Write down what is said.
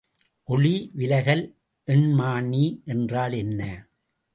ஒளி விலகல்எண்மானி என்றால் என்ன?